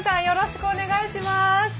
よろしくお願いします。